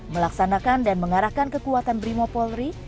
melaksanakan dan mengarahkan kekuatan brimo polri